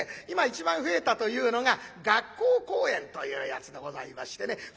今一番増えたというのが学校公演というやつでございましてね。